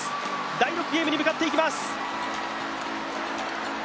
第６ゲームに向かっていきます。